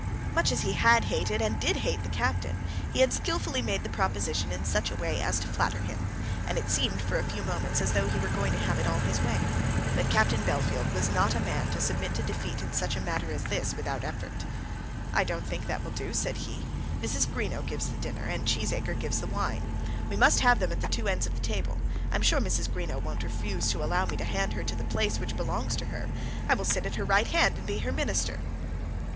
Much as he had hated and did hate the captain, he had skilfully made the proposition in such a way as to flatter him, and it seemed for a few moments as though he were going to have it all his own way. But Captain Bellfield was not a man to submit to defeat in such a matter as this without an effort. "I don't think that will do," said he. "Mrs. Greenow gives the dinner, and Cheesacre gives the wine. We must have them at the two ends of the table. I am sure Mrs. Greenow won't refuse to allow me to hand her to the place which belongs to her. I will sit at her right hand and be her minister."